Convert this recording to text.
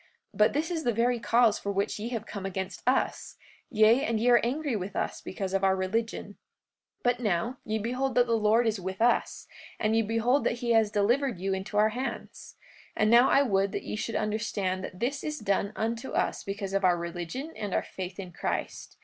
But this is the very cause for which ye have come against us; yea, and ye are angry with us because of our religion. 44:3 But now, ye behold that the Lord is with us; and ye behold that he has delivered you into our hands. And now I would that ye should understand that this is done unto us because of our religion and our faith in Christ.